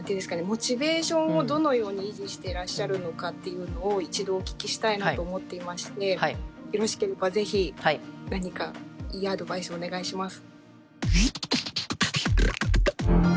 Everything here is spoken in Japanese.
モチベーションをどのように維持してらっしゃるのかっていうのを一度お聞きしたいなと思っていましてよろしければぜひ何かいいアドバイスをお願いします。